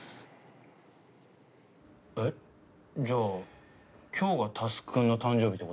えっじゃあ今日が佑くんの誕生日って事？